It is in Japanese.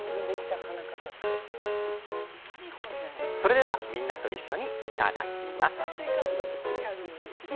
それではみんなと一緒にいただきます。